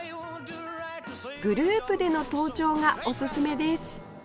グループでの登頂がおすすめです